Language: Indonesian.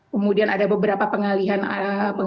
kemudian ada beberapa pengalihan